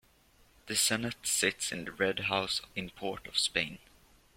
The Senate sits in the Red House in Port of Spain.